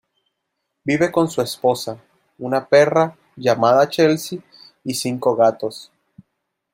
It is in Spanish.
Vive con su esposa, una perra llamada Chelsea y cinco gatos.